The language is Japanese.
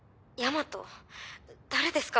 誰ですか？